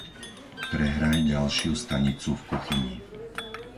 Prehraj ďalšiu stanicu v kuchyni.